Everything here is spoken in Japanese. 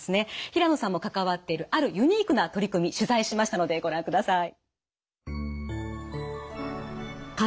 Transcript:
平野さんも関わっているあるユニークな取り組み取材しましたのでご覧ください。